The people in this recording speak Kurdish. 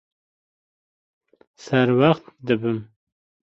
Serwext dibim.